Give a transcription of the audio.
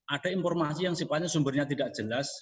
ada informasi yang sifatnya sumbernya tidak jelas